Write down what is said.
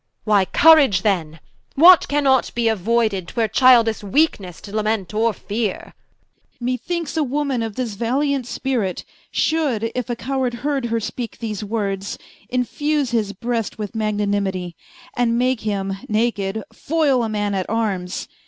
Why courage then, what cannot be auoided, 'Twere childish weakenesse to lament, or feare Prince. Me thinkes a Woman of this valiant Spirit, Should, if a Coward heard her speake these words, Infuse his Breast with Magnanimitie, And make him, naked, foyle a man at Armes.